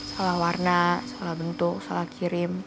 salah warna salah bentuk salah kirim